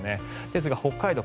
ですが、北海道